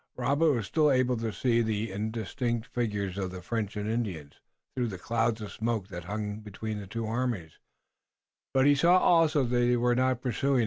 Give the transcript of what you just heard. Robert was still able to see the indistinct figures of the French and Indians, through the clouds of smoke that hung between the two armies, but he saw also that they were not pursuing.